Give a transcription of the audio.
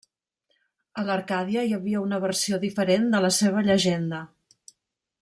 A l'Arcàdia hi havia una versió diferent de la seva llegenda.